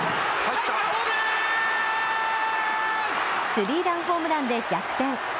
スリーランホームランで逆転。